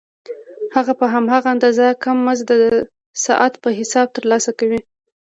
هغه په هماغه اندازه کم مزد د ساعت په حساب ترلاسه کوي